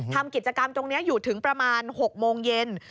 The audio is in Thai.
ทำกิจกรรมตรงนี้อยู่ถึงประมาณ๖โมงเย็น